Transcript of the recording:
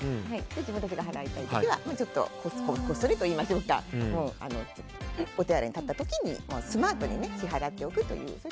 自分たちが払いたい時はこっそりといいましょうかお手洗いに立った時にスマートに支払っておくと。